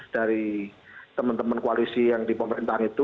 dari teman teman koalisi yang di pemerintahan itu